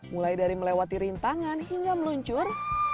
mulai dari melewati rintangan hingga meluncur